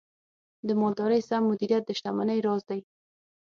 د مالدارۍ سم مدیریت د شتمنۍ راز دی.